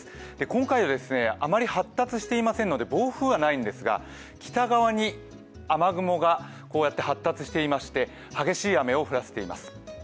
今回はあまり発達していませんので暴風はないんですが、北側に雨雲がこうやって発達していまして、激しい雨を降らせています。